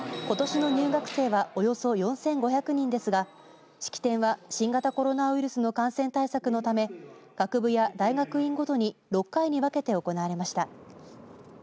ことしの入学生はおよそ４５００人ですが式典は新型コロナウイルスの感染対策のため学部や大学院ごとに６回に分けて行われました。